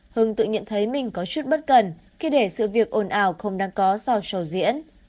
hương tự nhận thấy mình có chút bất cần khi để sự việc ổn ảo không đáng có sau trầu diễn